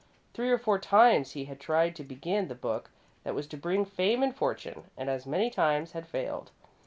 Three or four times he had tried to begin the book that was to bring fame and fortune, and as many times had failed.